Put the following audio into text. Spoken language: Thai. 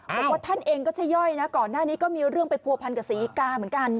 บอกว่าท่านเองก็ชะย่อยนะก่อนหน้านี้ก็มีเรื่องไปผัวพันกับศรีกาเหมือนกัน